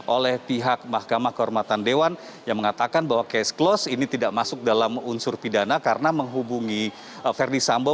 oleh pihak mahkamah kehormatan dewan yang mengatakan bahwa case close ini tidak masuk dalam unsur pidana karena menghubungi verdi sambo